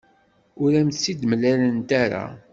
Ur am-tt-id-mlant ara.